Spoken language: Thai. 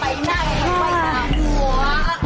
ไปไหนไปนาหัว